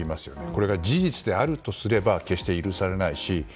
これが事実であるとすれば決して許されないし